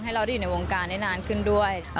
เราได้อยู่ในวงการได้นานขึ้นด้วย